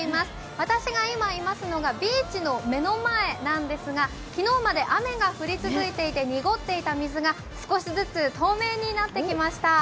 私が今いますのがビーチの目の前なんですが昨日まで雨が降り続いていて濁っていた水が少しずつ透明になってきました。